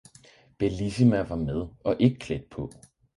Bellissima var med og ikke klædt på.